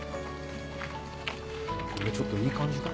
ちょっといい感じか？